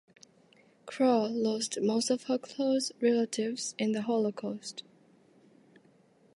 Krall lost most of her close relatives in the Holocaust.